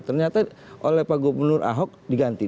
ternyata oleh pak gubernur ahok diganti